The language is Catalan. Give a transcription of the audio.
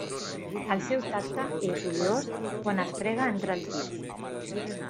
El seu tacte és oliós quan es frega entre els dits.